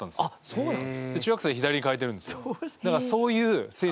そうなんだ。